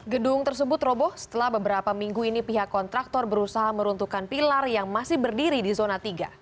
gedung tersebut roboh setelah beberapa minggu ini pihak kontraktor berusaha meruntuhkan pilar yang masih berdiri di zona tiga